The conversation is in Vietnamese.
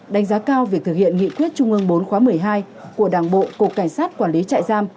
đánh giá cao việc thực hiện nghị quyết trung ương bốn khóa một mươi hai của đảng bộ cục cảnh sát quản lý trại giam